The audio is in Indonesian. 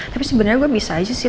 tapi sebenarnya gue bisa aja sih